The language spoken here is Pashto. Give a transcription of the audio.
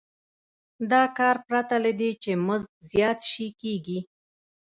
دا کار پرته له دې چې مزد زیات شي کېږي